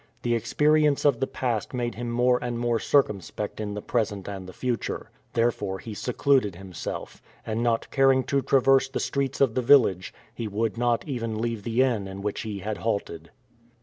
The experience of the past made him more and more circumspect in the present and the future. Therefore he secluded himself, and not caring to traverse the streets of the village, he would not even leave the inn at which he had halted.